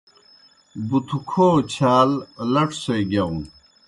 بُتھوْکھو چھال لڇو سے گِیاؤن۔